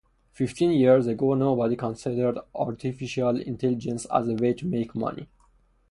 Fifteen years ago, nobody considered artificial intelligence as a way to make money.